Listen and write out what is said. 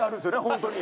本当に。